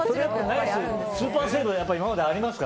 スーパーセーブは今まででありますか？